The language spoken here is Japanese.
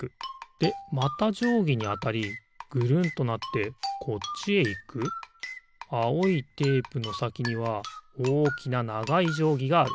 でまたじょうぎにあたりぐるんとなってこっちへいくあおいテープのさきにはおおきなながいじょうぎがある。